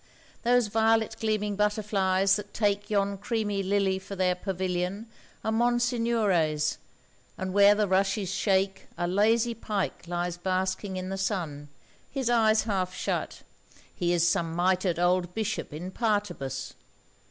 Those violet gleaming butterflies that take Yon creamy lily for their pavilion Are monsignores, and where the rushes shake A lazy pike lies basking in the sun, His eyes half shut,—he is some mitred old Bishop in partibus!